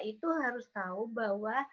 itu harus tahu bahwa